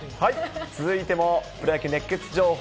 続いてもプロ野球熱ケツ情報。